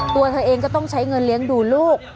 ตัวเธอเองก็ต้องใช้เงินเลี้ยงดูลูก